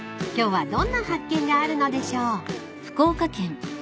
今日はどんな発見があるのでしょう］